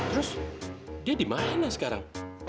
terus dia di mana sekarang